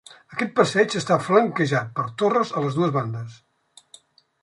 Aquest passeig està flanquejat per torres a les dues bandes.